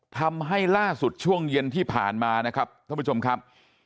ทำให้ล่าสุดช่วงเย็นที่ผ่านมานะครับท่านผู้ชมครับ